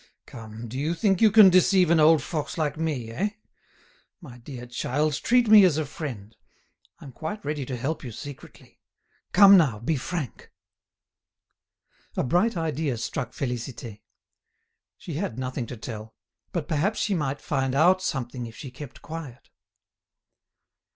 "Come, do you think you can deceive an old fox like me, eh? My dear child, treat me as a friend. I'm quite ready to help you secretly. Come now, be frank!" A bright idea struck Félicité. She had nothing to tell; but perhaps she might find out something if she kept quiet.